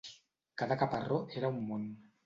Cada caparró era un món.